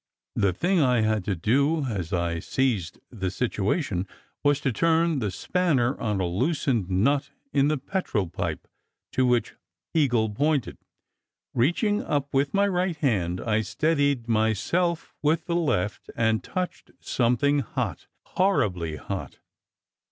The thing I had to do, as I seized the situation, was to turn the spanner on a loosened nut in the petrol pipe, to which Eagle pointed. Reaching up with my right hand, I steadied myself with the left, and touched something hot, horribly hot.